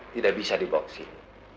tidak bisa dibawa ke sini